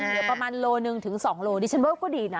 เหลือประมาณโลหนึ่งถึง๒โลดิฉันว่าก็ดีนะ